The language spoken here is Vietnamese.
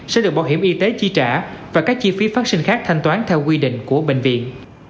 sẽ được bảo hiểm y tế chi trả và các chi phí phát sinh khác thanh toán theo quy định của bệnh viện